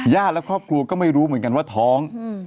และครอบครัวก็ไม่รู้เหมือนกันว่าท้อง